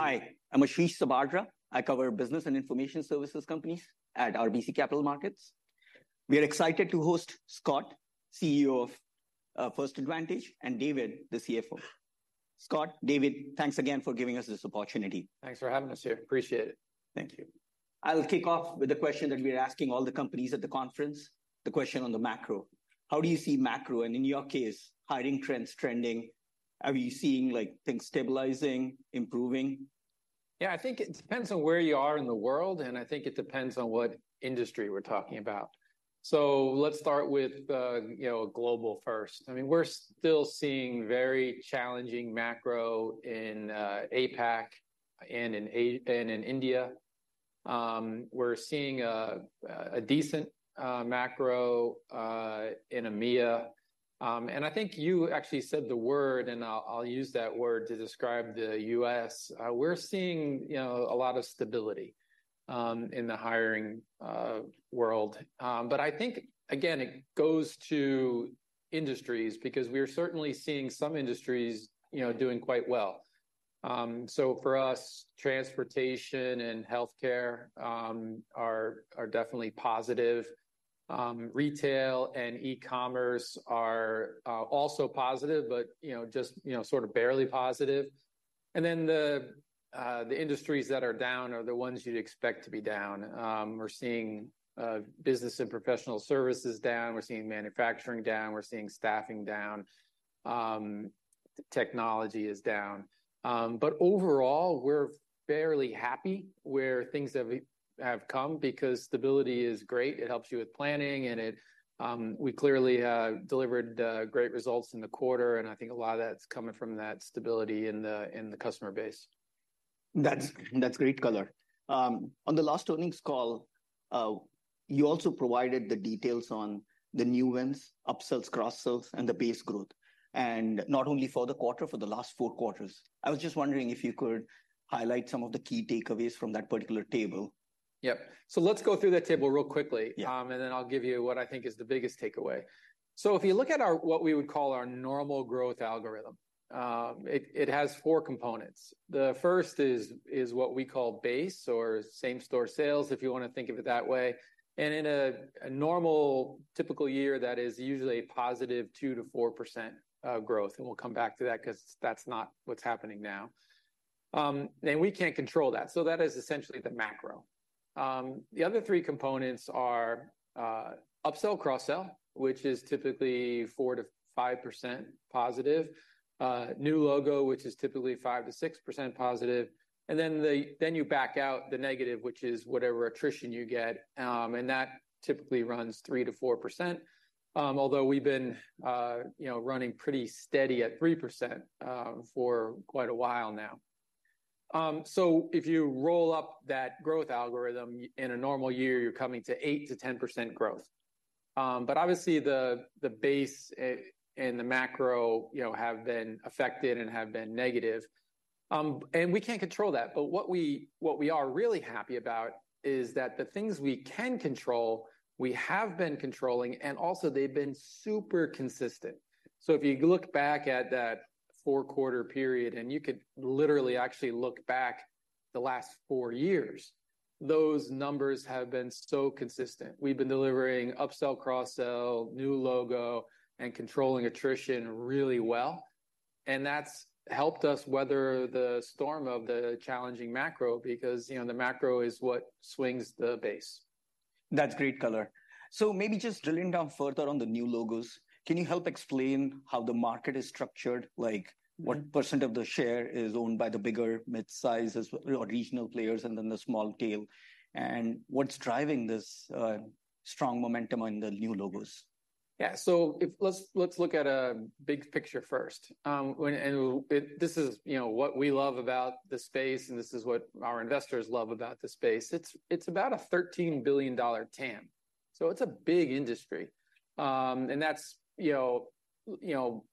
Hi, I'm Ashish Sabadra. I cover business and information services companies at RBC Capital Markets. We are excited to host Scott, CEO of First Advantage, and David, the CFO. Scott, David, thanks again for giving us this opportunity. Thanks for having us here. Appreciate it. Thank you. I'll kick off with the question that we're asking all the companies at the conference, the question on the macro. How do you see macro, and in your case, hiring trends trending? Are you seeing, like, things stabilizing, improving? Yeah, I think it depends on where you are in the world, and I think it depends on what industry we're talking about. So let's start with you know, global first. I mean, we're still seeing very challenging macro in APAC and in India. We're seeing a decent macro in EMEA. And I think you actually said the word, and I'll use that word to describe the U.S. We're seeing you know, a lot of stability in the hiring world. But I think, again, it goes to industries, because we're certainly seeing some industries you know, doing quite well. So for us, transportation and healthcare are definitely positive. Retail and e-commerce are also positive, but you know, just you know, sort of barely positive. And then the industries that are down are the ones you'd expect to be down. We're seeing business and professional services down, we're seeing manufacturing down, we're seeing staffing down, technology is down. But overall, we're fairly happy where things have come, because stability is great. It helps you with planning, and it. We clearly delivered great results in the quarter, and I think a lot of that's coming from that stability in the customer base. That's, that's great color. On the last earnings call, you also provided the details on the new wins, upsells, cross-sells, and the base growth, and not only for the quarter, for the last four quarters. I was just wondering if you could highlight some of the key takeaways from that particular table. Yep. So let's go through that table real quickly Yeah. And then I'll give you what I think is the biggest takeaway. So if you look at our, what we would call our normal growth algorithm, it, it has four components. The first is, is what we call base or same-store sales, if you want to think of it that way. And in a, a normal, typical year, that is usually a positive 2%-4% growth, and we'll come back to that 'cause that's not what's happening now. And we can't control that, so that is essentially the macro. The other three components are, upsell, cross-sell, which is typically 4%-5% positive, new logo, which is typically 5%-6% positive, and then then you back out the negative, which is whatever attrition you get, and that typically runs 3%-4%. Although we've been, you know, running pretty steady at 3% for quite a while now. So if you roll up that growth algorithm, in a normal year, you're coming to 8%-10% growth. But obviously, the base and the macro, you know, have been affected and have been negative. And we can't control that, but what we, what we are really happy about is that the things we can control, we have been controlling, and also they've been super consistent. So if you look back at that four-quarter period, and you could literally actually look back the last four years, those numbers have been so consistent. We've been delivering upsell, cross-sell, new logo, and controlling attrition really well, and that's helped us weather the storm of the challenging macro because, you know, the macro is what swings the base. That's great color. So maybe just drilling down further on the new logos, can you help explain how the market is structured? Like, what % of the share is owned by the bigger, midsize, or regional players, and then the small tail, and what's driving this strong momentum in the new logos? Yeah. Let's look at a big picture first. This is what we love about the space, and this is what our investors love about the space. It's about a $13 billion TAM, so it's a big industry. And that's, you know, you know,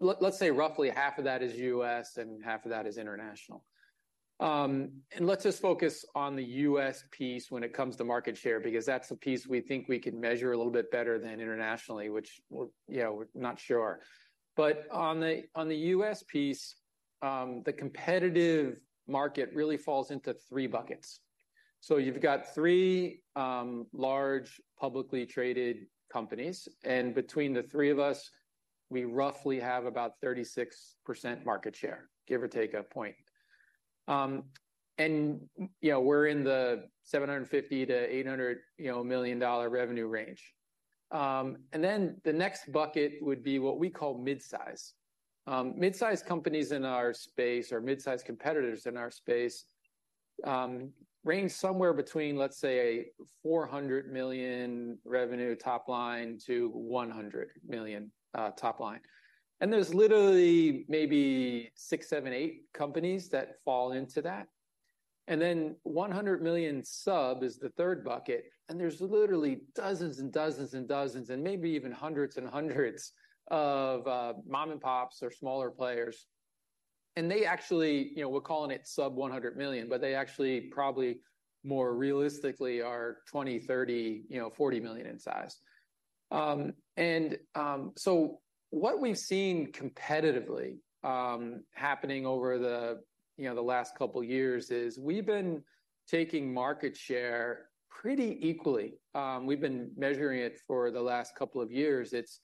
let's say roughly half of that is US and half of that is international. And let's just focus on the US piece when it comes to market share, because that's the piece we think we can measure a little bit better than internationally, which we're, you know, we're not sure. But on the US piece, the competitive market really falls into three buckets. So you've got three large, publicly traded companies, and between the three of us, we roughly have about 36% market share, give or take a point. And, you know, we're in the $750 million-$800 million revenue range. And then the next bucket would be what we call midsize. Midsize companies in our space, or midsize competitors in our space, range somewhere between, let's say, $400 million revenue top line to $100 million top line. And there's literally maybe six, seven, eight companies that fall into that. And then 100 million sub is the third bucket, and there's literally dozens and dozens and dozens, and maybe even hundreds and hundreds of mom-and-pops or smaller players. And they actually, You know, we're calling it sub-$100 million, but they actually probably more realistically are $20 million, $30 million, you know, $40 million in size. And so what we've seen competitively happening over the, you know, the last couple years is, we've been taking market share pretty equally. We've been measuring it for the last couple of years. It's,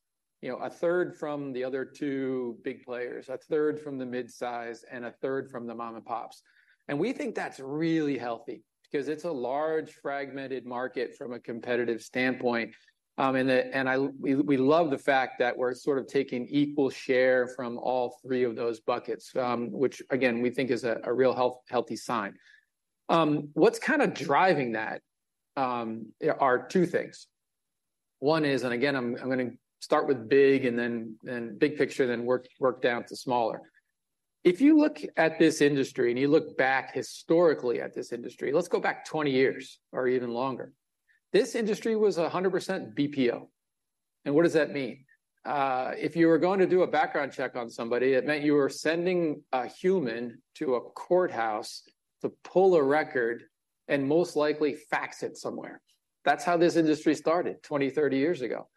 you know, 1/3 from the other two big players, 1/3 from the mid-size, and 1/3 from the mom-and-pops. And we think that's really healthy, 'cause it's a large, fragmented market from a competitive standpoint. And we love the fact that we're sort of taking equal share from all three of those buckets, which, again, we think is a real healthy sign. What's kind of driving that are two things. One is, Again, I'm gonna start with big, and then big picture, then work down to smaller. If you look at this industry, and you look back historically at this industry, let's go back 20 years or even longer. This industry was 100% BPO. And what does that mean? If you were going to do a background check on somebody, it meant you were sending a human to a courthouse to pull a record, and most likely, fax it somewhere. That's how this industry started 20, 30 years ago.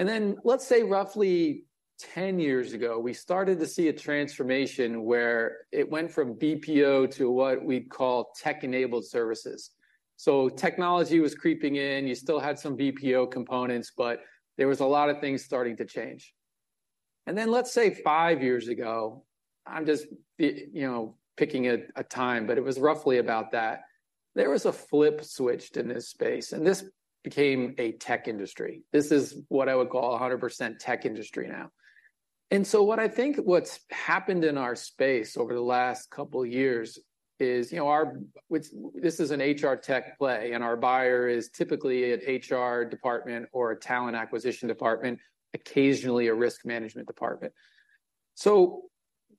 And then, let's say, roughly 10 years ago, we started to see a transformation where it went from BPO to what we call tech-enabled services. So technology was creeping in. You still had some BPO components, but there was a lot of things starting to change. Then, let's say, five years ago, I'm just, you know, picking a time, but it was roughly about that, there was a flip switched in this space, and this became a tech industry. This is what I would call 100% tech industry now. So what I think what's happened in our space over the last couple years is, you know, which this is an HR tech play, and our buyer is typically an HR department or a talent acquisition department, occasionally a risk management department.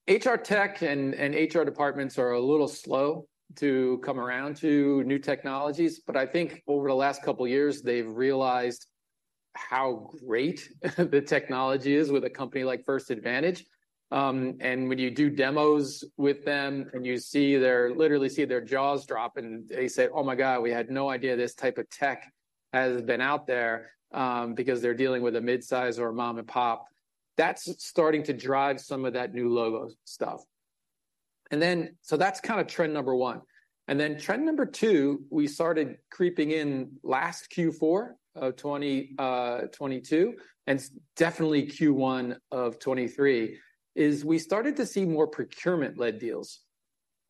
HR tech and HR departments are a little slow to come around to new technologies, but I think over the last couple years, they've realized how great the technology is with a company like First Advantage. And when you do demos with them, and you see their jaws drop, literally, and they say, "Oh, my God, we had no idea this type of tech has been out there," because they're dealing with a mid-size or a mom-and-pop, that's starting to drive some of that new logo stuff. So that's kind of trend number one. And then trend number two, we started creeping in last Q4 of 2022, and definitely Q1 of 2023, is we started to see more procurement-led deals.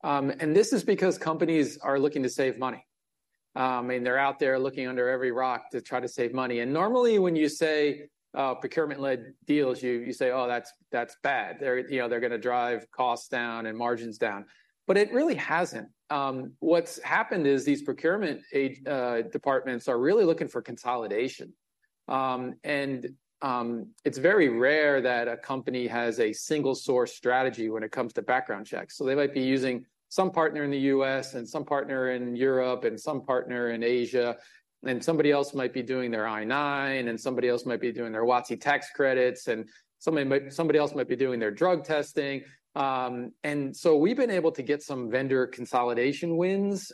And this is because companies are looking to save money. I mean, they're out there looking under every rock to try to save money. And normally, when you say, procurement-led deals, you say, "Oh, that's, that's bad. They're, You know, they're gonna drive costs down and margins down." But it really hasn't. What's happened is, these procurement departments are really looking for consolidation. And, it's very rare that a company has a single-source strategy when it comes to background checks. So they might be using some partner in the U.S., and some partner in Europe, and some partner in Asia, and somebody else might be doing their I-9, and somebody else might be doing their WOTC tax credits, and somebody else might be doing their drug testing. And so we've been able to get some vendor consolidation wins.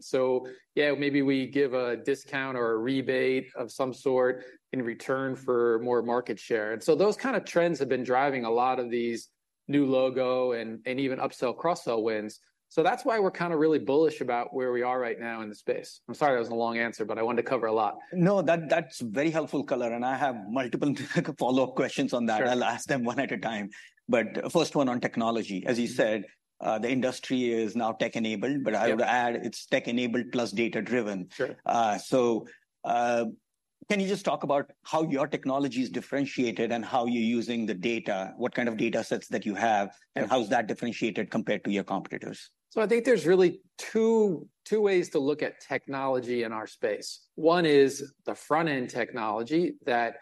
So yeah, maybe we give a discount or a rebate of some sort in return for more market share. And so those kind of trends have been driving a lot of these new logo, and even upsell, cross-sell wins. So that's why we're kind of really bullish about where we are right now in the space. I'm sorry that was a long answer, but I wanted to cover a lot. No, that's very helpful color, and I have multiple follow-up questions on that. Sure. I'll ask them one at a time. But, first one on technology. Mm-hmm. As you said, the industry is now tech-enabled- Yep but I would add, it's tech-enabled plus data-driven. Sure. Can you just talk about how your technology's differentiated and how you're using the data? What kind of data sets that you have Sure and how is that differentiated compared to your competitors? So I think there's really two ways to look at technology in our space. One is the front-end technology that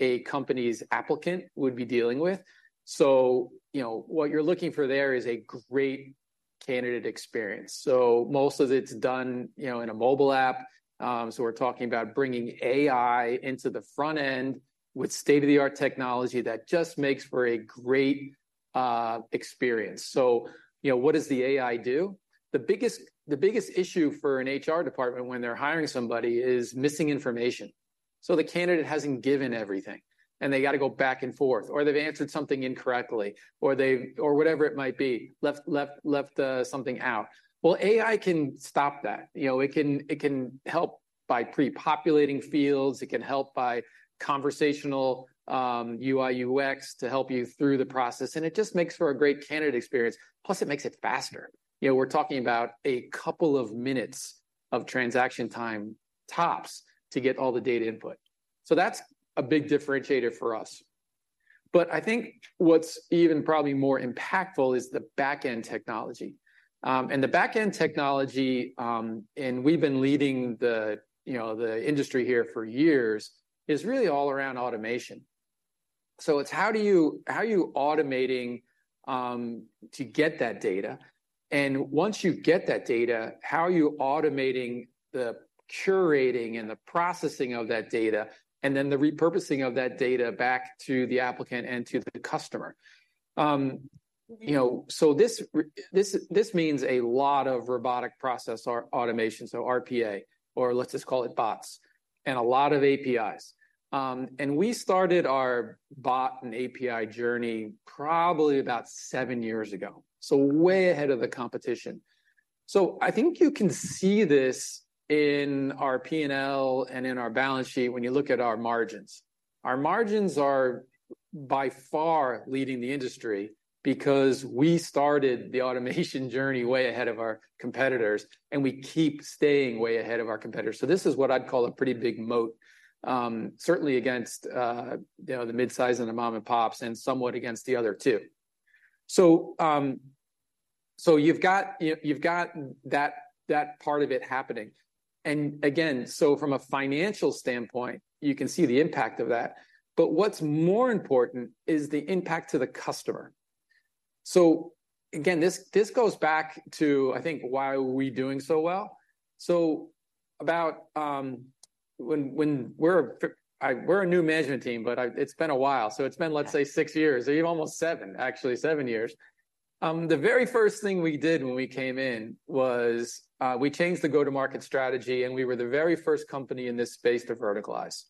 a company's applicant would be dealing with. So, you know, what you're looking for there is a great candidate experience. So most of it's done, you know, in a mobile app. So we're talking about bringing AI into the front end with state-of-the-art technology that just makes for a great experience. So, you know, what does the AI do? The biggest issue for an HR department when they're hiring somebody is missing information. So the candidate hasn't given everything, and they gotta go back and forth, or they've answered something incorrectly, or they or whatever it might be, left something out. Well, AI can stop that. You know, it can help by pre-populating fields. It can help by conversational UI, UX, to help you through the process, and it just makes for a great candidate experience, plus, it makes it faster. You know, we're talking about a couple of minutes of transaction time, tops, to get all the data input. So that's a big differentiator for us. But I think what's even probably more impactful is the back-end technology. And the back-end technology, and we've been leading the, you know, the industry here for years, is really all around automation. So it's how do you, how are you automating to get that data? And once you get that data, how are you automating the curating and the processing of that data, and then the repurposing of that data back to the applicant and to the customer? You know, so this means a lot of robotic process or automation, so RPA, or let's just call it bots, and a lot of APIs. And we started our bot and API journey probably about seven years ago, so way ahead of the competition. So I think you can see this in our P&L and in our balance sheet when you look at our margins. Our margins are by far leading the industry, because we started the automation journey way ahead of our competitors, and we keep staying way ahead of our competitors. So this is what I'd call a pretty big moat, certainly against, you know, the midsize and the mom-and-pops, and somewhat against the other two. So, so you've got that part of it happening. And again, so from a financial standpoint, you can see the impact of that. But what's more important is the impact to the customer. So again, this, this goes back to, I think, why are we doing so well. So about when we were a new management team, but it's been a while. So it's been, let's say, six years, or even almost seven, actually seven years. The very first thing we did when we came in was we changed the go-to-market strategy, and we were the very first company in this space to verticalize.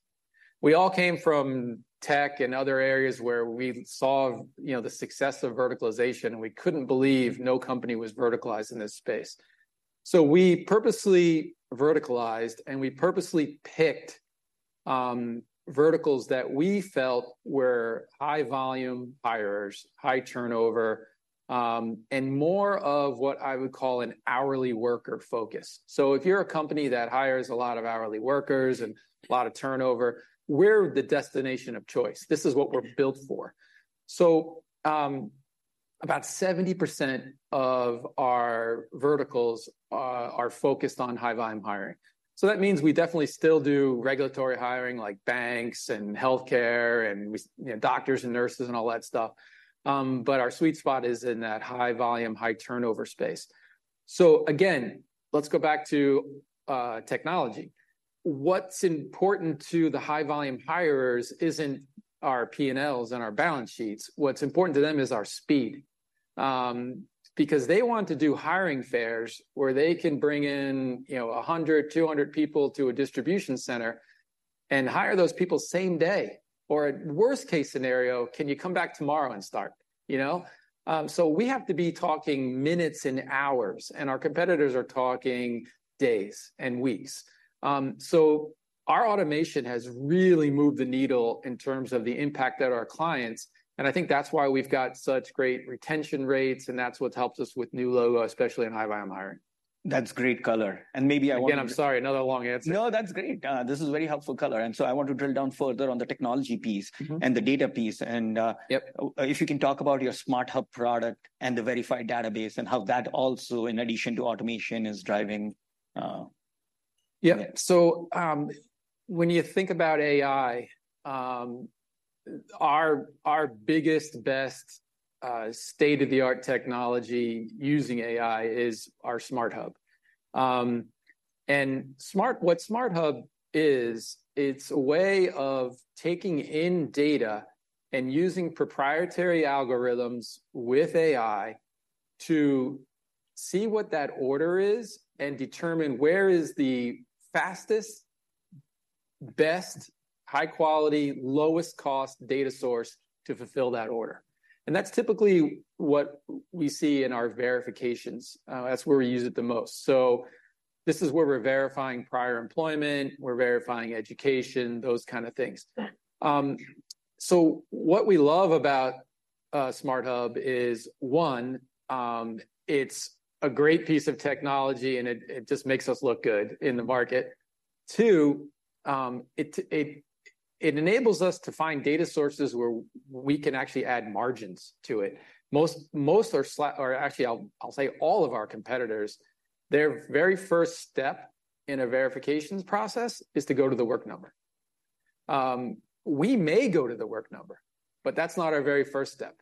We all came from tech and other areas where we saw, you know, the success of verticalization, and we couldn't believe no company was verticalized in this space. So we purposely verticalized, and we purposely picked, verticals that we felt were high-volume hirers, high turnover, and more of what I would call an hourly worker focus. So if you're a company that hires a lot of hourly workers and a lot of turnover, we're the destination of choice. This is what we're built for. So, about 70% of our verticals are focused on high-volume hiring. So that means we definitely still do regulatory hiring, like banks and healthcare and we, you know, doctors and nurses and all that stuff. But our sweet spot is in that high-volume, high-turnover space. So again, let's go back to, technology. What's important to the high-volume hirers isn't our P&Ls and our balance sheets. What's important to them is our speed. Because they want to do hiring fairs, where they can bring in, you know, 100, 200 people to a distribution center and hire those people same day, or worst-case scenario, "Can you come back tomorrow and start?" You know? So we have to be talking minutes and hours, and our competitors are talking days and weeks. So our automation has really moved the needle in terms of the impact at our clients, and I think that's why we've got such great retention rates, and that's what's helped us with new logo, especially in high-volume hiring. That's great color. And maybe I want Again, I'm sorry, another long answer. No, that's great. This is very helpful color. And so I want to drill down further on the technology piece. Mm-hmm and the data piece. Yep if you can talk about your SmartHub product and the Verified database, and how that also, in addition to automation, is driving? Yeah. Yeah. So, when you think about AI, our biggest, best, state-of-the-art technology using AI is our SmartHub. And what SmartHub is, it's a way of taking in data and using proprietary algorithms with AI to see what that order is and determine where is the fastest, best, high quality, lowest cost data source to fulfill that order. And that's typically what we see in our verifications. That's where we use it the most. So this is where we're verifying prior employment, we're verifying education, those kind of things. Yeah. So what we love about SmartHub is, one, it's a great piece of technology, and it just makes us look good in the market. Two, it enables us to find data sources where we can actually add margins to it. Actually, I'll say all of our competitors, their very first step in a verifications process is to go to The Work Number. We may go to The Work Number, but that's not our very first step,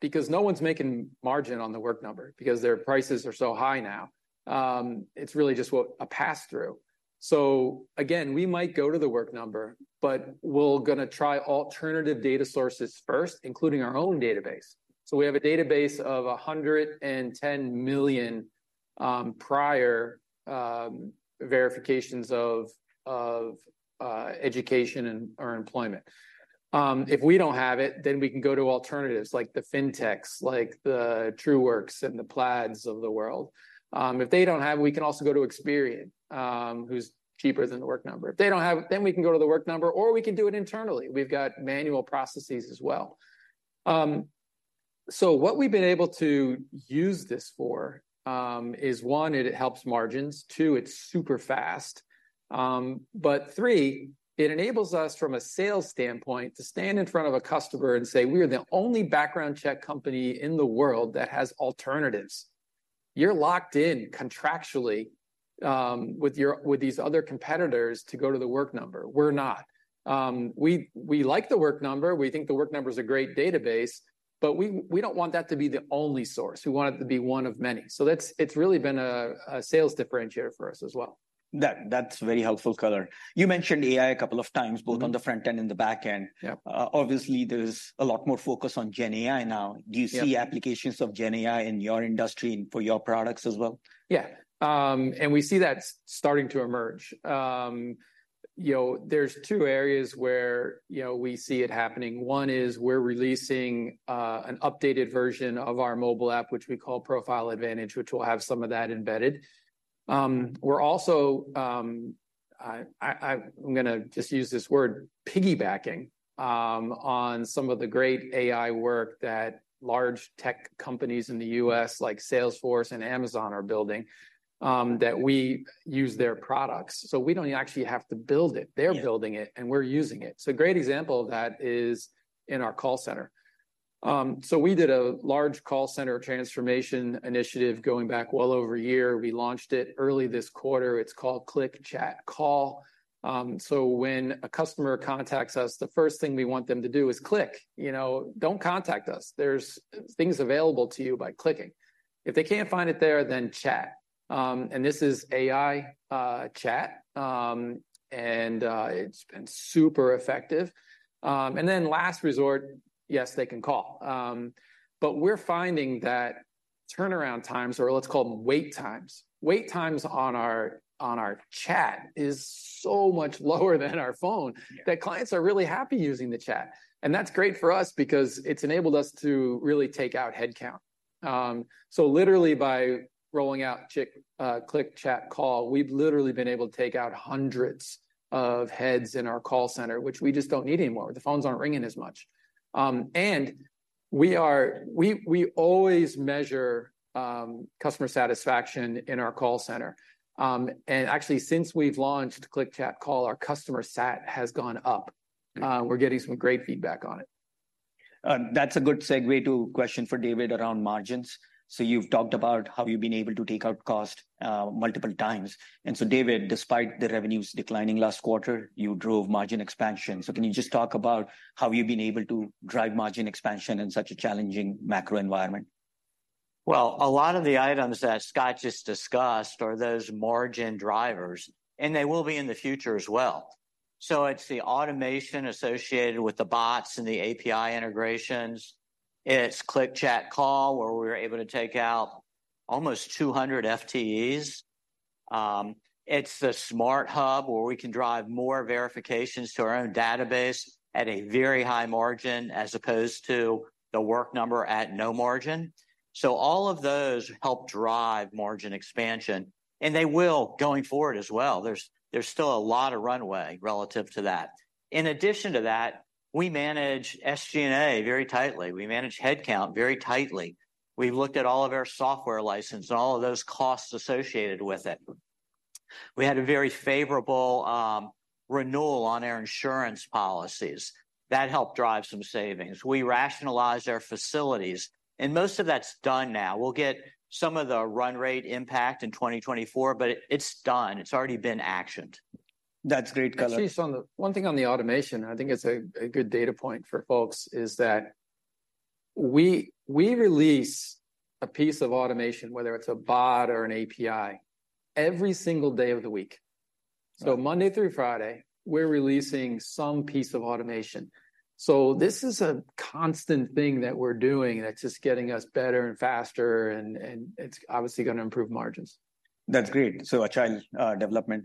because no one's making margin on The Work Number, because their prices are so high now. It's really just what a pass-through. So again, we might go to The Work Number, but we're gonna try alternative data sources first, including our own database. So we have a database of 110 million prior verifications of education and/or employment. If we don't have it, then we can go to alternatives, like the FinTechs, like the Truework and the Plaid of the world. If they don't have, we can also go to Experian, who's cheaper than The Work Number. If they don't have, then we can go to The Work Number, or we can do it internally. We've got manual processes as well. So what we've been able to use this for is, one, it helps margins, two, it's super fast, but three, it enables us, from a sales standpoint, to stand in front of a customer and say, "We are the only background check company in the world that has alternatives. You're locked in contractually with these other competitors to go to The Work Number. We're not. We like The Work Number. We think The Work Number is a great database, but we don't want that to be the only source. We want it to be one of many. So that's, It's really been a sales differentiator for us as well. That, that's very helpful color. You mentioned AI a couple of times- Mm-hmm. both on the front end and the back end. Yep. Obviously, there's a lot more focus on GenAI now. Yeah. Do you see applications of GenAI in your industry and for your products as well? Yeah. And we see that's starting to emerge. You know, there's two areas where, you know, we see it happening. One is we're releasing an updated version of our mobile app, which we call Profile Advantage, which will have some of that embedded. We're also, I'm gonna just use this word, piggybacking on some of the great AI work that large tech companies in the U.S., like Salesforce and Amazon, are building that we use their products. So we don't actually have to build it. Yeah. They're building it, and we're using it. So a great example of that is in our call center. We did a large call center transformation initiative going back well over a year. We launched it early this quarter. It's called Click.Chat.Call. When a customer contacts us, the first thing we want them to do is click. You know, "Don't contact us. There's things available to you by clicking." If they can't find it there, then chat. And this is AI chat, and it's been super effective. Then last resort, yes, they can call. But we're finding that turnaround times, or let's call them wait times, wait times on our chat is so much lower than our phone- Yeah that clients are really happy using the chat, and that's great for us because it's enabled us to really take out head count. So literally by rolling out Click, Chat, Call, we've literally been able to take out hundreds of heads in our call center, which we just don't need anymore. The phones aren't ringing as much. And we always measure customer satisfaction in our call center. And actually, since we've launched Click, Chat, Call, our customer sat has gone up. Yeah. We're getting some great feedback on it. That's a good segue to a question for David around margins. So you've talked about how you've been able to take out cost, multiple times, and so David, despite the revenues declining last quarter, you drove margin expansion. So can you just talk about how you've been able to drive margin expansion in such a challenging macro environment? Well, a lot of the items that Scott just discussed are those margin drivers, and they will be in the future as well. So it's the automation associated with the bots and the API integrations. It's Click.Chat.Call., where we were able to take out almost 200 FTEs. It's the SmartHub, where we can drive more verifications to our own database at a very high margin, as opposed to the Work Number at no margin. So all of those help drive margin expansion, and they will going forward as well. There's, there's still a lot of runway relative to that. In addition to that, we manage SG&A very tightly. We manage headcount very tightly. We've looked at all of our software license and all of those costs associated with it. We had a very favorable, renewal on our insurance policies. That helped drive some savings. We rationalized our facilities, and most of that's done now. We'll get some of the run rate impact in 2024, but it- it's done. It's already been actioned. That's great. Actually, on the... One thing on the automation, I think it's a good data point for folks, is that we release a piece of automation, whether it's a bot or an API, every single day of the week. Yeah. So Monday through Friday, we're releasing some piece of automation. So this is a constant thing that we're doing that's just getting us better and faster, and it's obviously gonna improve margins. That's great. So a child development.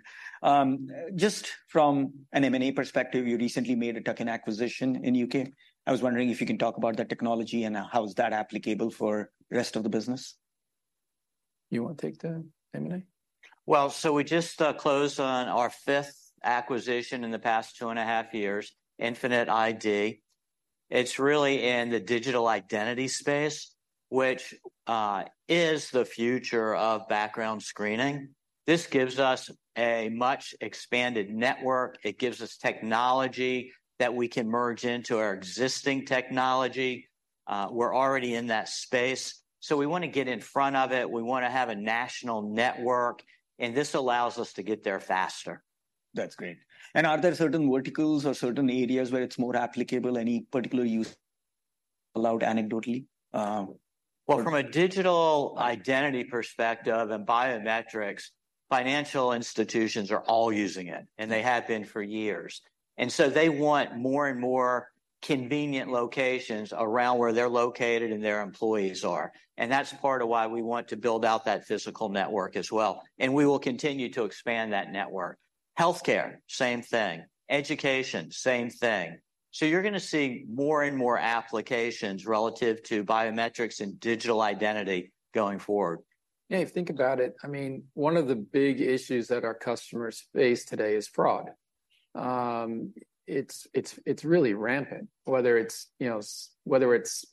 Just from an M&A perspective, you recently made a tuck-in acquisition in U.K. I was wondering if you can talk about the technology, and how is that applicable for rest of the business? You wanna take that, M&A? Well, so we just closed on our fifth acquisition in the past two and a half years, Infinite ID. It's really in the digital identity space, which is the future of background screening. This gives us a much expanded network. It gives us technology that we can merge into our existing technology. We're already in that space, so we wanna get in front of it. We wanna have a national network, and this allows us to get there faster. That's great. Are there certain verticals or certain areas where it's more applicable? Any particular use allowed anecdotally? Well, from a digital identity perspective and biometrics, financial institutions are all using it, and they have been for years. And so they want more and more convenient locations around where they're located and their employees are, and that's part of why we want to build out that physical network as well, and we will continue to expand that network. Healthcare, same thing. Education, same thing. So you're gonna see more and more applications relative to biometrics and digital identity going forward. Yeah, if you think about it, I mean, one of the big issues that our customers face today is fraud. It's really rampant, whether it's, you know, whether it's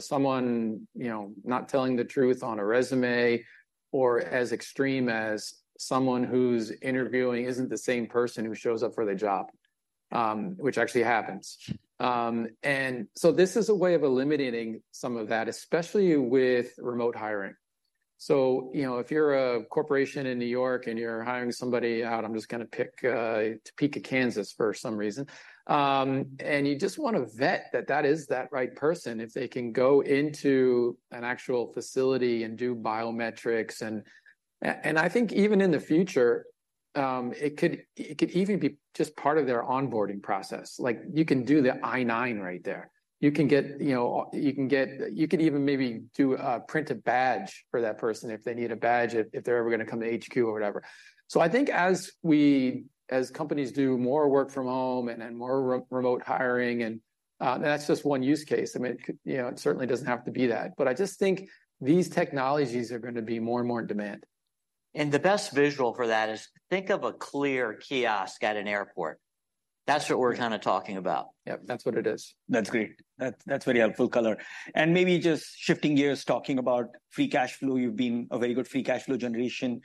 someone, you know, not telling the truth on a resume or as extreme as someone who's interviewing isn't the same person who shows up for the job, which actually happens. And so this is a way of eliminating some of that, especially with remote hiring. So, you know, if you're a corporation in New York and you're hiring somebody out, I'm just gonna pick Topeka, Kansas, for some reason, and you just wanna vet that that is that right person, if they can go into an actual facility and do biometrics. And I think even in the future... It could, it could even be just part of their onboarding process. Like, you can do the I-9 right there. You can get, you know, you can get- you could even maybe do a, print a badge for that person if they need a badge, if, if they're ever gonna come to HQ or whatever. So I think as we, as companies do more work from home and, and more remote hiring, and, and that's just one use case. I mean, it could, you know, it certainly doesn't have to be that. But I just think these technologies are gonna be more and more in demand. The best visual for that is, think of a CLEAR kiosk at an airport. That's what we're kinda talking about. Yep, that's what it is. That's great. That, that's very helpful color. And maybe just shifting gears, talking about free cash flow, you've been a very good free cash flow generation.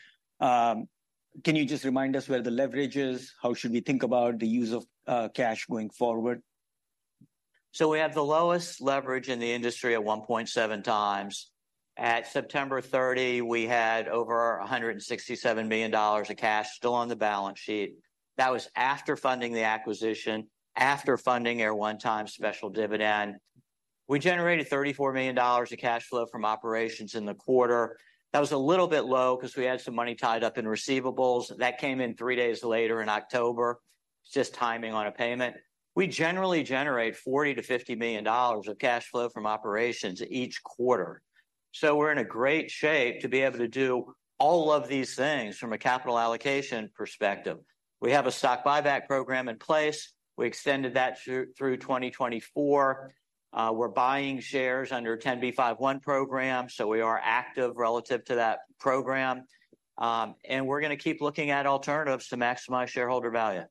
Can you just remind us where the leverage is? How should we think about the use of cash going forward? So we have the lowest leverage in the industry at 1.7x. At September 30, we had over $167 million of cash still on the balance sheet. That was after funding the acquisition, after funding our one-time special dividend. We generated $34 million of cash flow from operations in the quarter. That was a little bit low, 'cause we had some money tied up in receivables. That came in three days later in October. It's just timing on a payment. We generally generate $40 million-$50 million of cash flow from operations each quarter. So we're in a great shape to be able to do all of these things from a capital allocation perspective. We have a stock buyback program in place. We extended that through 2024. We're buying shares under a 10b5-1 program, so we are active relative to that program. We're gonna keep looking at alternatives to maximize shareholder value.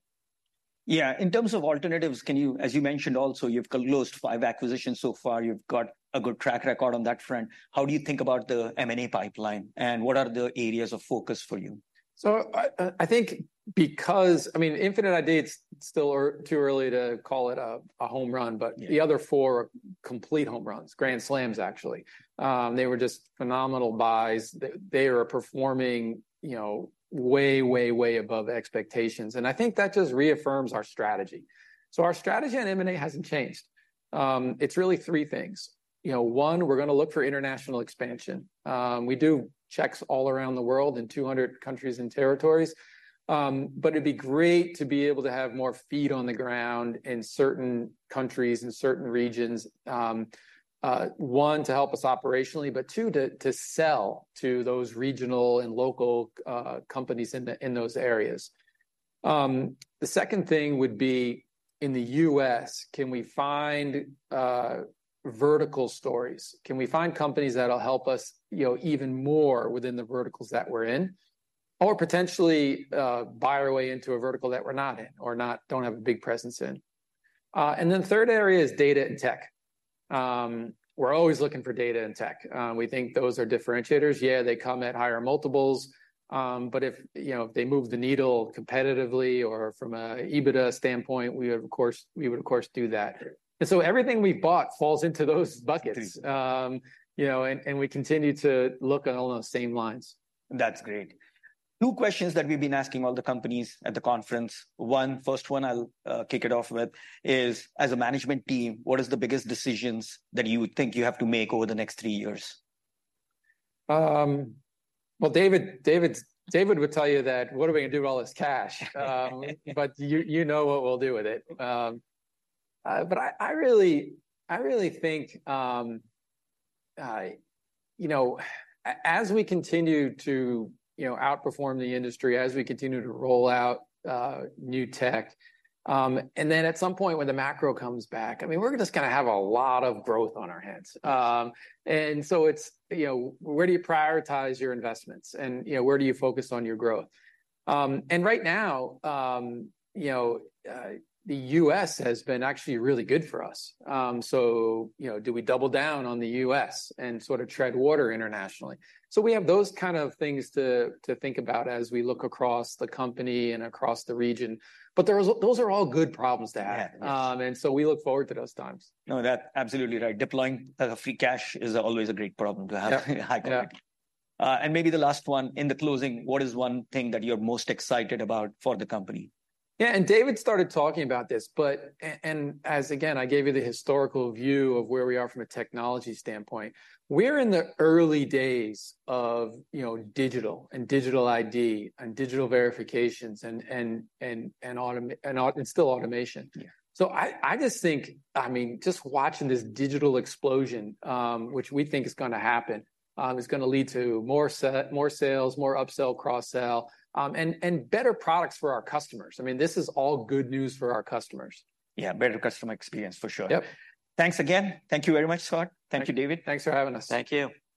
Yeah. In terms of alternatives, can you... As you mentioned also, you've closed five acquisitions so far. You've got a good track record on that front. How do you think about the M&A pipeline, and what are the areas of focus for you? So I think because, I mean, Infinite ID, it's still too early to call it a home run Yeah but the other four are complete home runs, grand slams actually. They were just phenomenal buys. They, they are performing, you know, way, way, way above expectations, and I think that just reaffirms our strategy. So our strategy on M&A hasn't changed. It's really three things. You know, one, we're gonna look for international expansion. We do checks all around the world in 200 countries and territories. But it'd be great to be able to have more feet on the ground in certain countries and certain regions, one, to help us operationally, but two, to sell to those regional and local companies in those areas. The second thing would be, in the U.S., can we find verticals? Can we find companies that'll help us, you know, even more within the verticals that we're in, or potentially buy our way into a vertical that we're not in or not, don't have a big presence in? And then the third area is data and tech. We're always looking for data and tech. We think those are differentiators. Yeah, they come at higher multiples, but if, you know, if they move the needle competitively or from a EBITDA standpoint, we would, of course, we would of course do that. Yeah. Everything we've bought falls into those buckets. Exactly. You know, and we continue to look along those same lines. That's great. Two questions that we've been asking all the companies at the conference. One, first one I'll kick it off with is, as a management team, what is the biggest decisions that you think you have to make over the next three years? Well, David, David, David would tell you that, "What are we gonna do with all this cash?" But you, you know what we'll do with it. But I, I really, I really think, you know, as we continue to, you know, outperform the industry, as we continue to roll out new tech. And then at some point when the macro comes back, I mean, we're just gonna have a lot of growth on our hands. And so it's, you know, where do you prioritize your investments, and, you know, where do you focus on your growth? And right now, you know, the US has been actually really good for us. So, you know, do we double down on the US and sort of tread water internationally? We have those kind of things to think about as we look across the company and across the region, but there is, Those are all good problems to have. Yeah. And so we look forward to those times. No, that's absolutely right. Deploying free cash is always a great problem to have. Yeah. Yeah. Maybe the last one, in the closing, what is one thing that you're most excited about for the company? Yeah, and David started talking about this, but and as, again, I gave you the historical view of where we are from a technology standpoint. We're in the early days of, you know, digital and digital ID and digital verifications and still automation. Yeah. So I just think, I mean, just watching this digital explosion, which we think is gonna happen, is gonna lead to more sales, more upsell, cross-sell, and better products for our customers. I mean, this is all good news for our customers. Yeah, better customer experience, for sure. Yep. Thanks again. Thank you very much, Scott. Thank you. Thank you, David. Thanks for having us. Thank you.